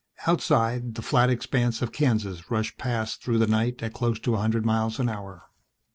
Outside, the flat expanse of Kansas rushed past through the night at close to a hundred miles an hour.